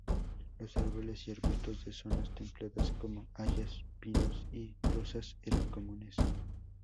Los árboles y arbustos de zonas templadas, como hayas, pinos y rosas eran comunes.